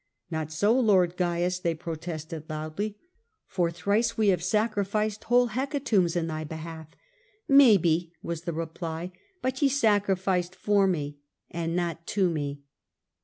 ^ Not so. Lord Caius,' they protested loudly. Tor thrice we have sacrificed whole hecatombs in thy behalf,' ^ Maybe,' was the reply, ' but ye sacrificed for me, and not to me.'